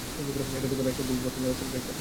এটা দেখো, Russian PP personal assault rifle!